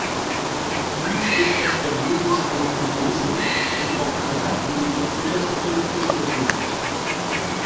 Dies ist das Ergebnis von Kompromissen, die auf bereitwillige Unterstützung gestoßen sind.